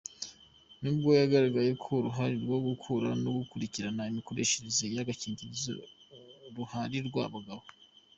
Nubwo byagaragaye ko uruhare rwo kugura no gukurikirana imikoreshereze y’agakingirizo ruharirwa abagabo.